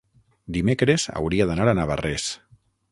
Dimecres hauria d'anar a Navarrés.